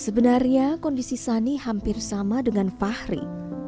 sebenarnya kondisi sani hampir sama dengan fahri